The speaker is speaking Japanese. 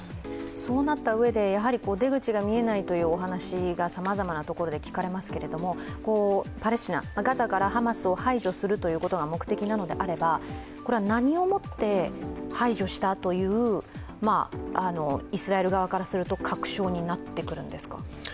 そうなったうえで、やはり出口が見えないというお話がさまざまなところで聞かれますがパレスチナ、ガザから排除するということが目的なのであれば、何を持って排除したというイスラエル側からすると確証になってくるんですか？